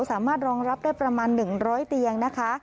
สามารถรองรับได้ประมาณ๑๐๐เตียงนะคะ